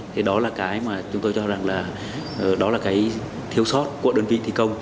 thì đó là cái mà chúng tôi cho rằng là đó là cái thiếu sót của đơn vị thi công